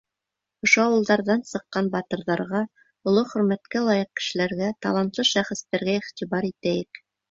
Ошо ауылдарҙан сыҡҡан батырҙарға, оло хөрмәткә лайыҡ кешеләргә, талантлы шәхестәргә иғтибар итәйек.